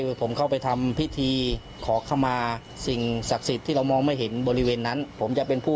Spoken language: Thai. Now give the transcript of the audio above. คือผมเข้าไปทำพิธีขอเข้ามาสิ่งศักดิ์สิทธิ์ที่เรามองไม่เห็นบริเวณนั้นผมจะเป็นผู้